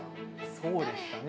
そうでしたね。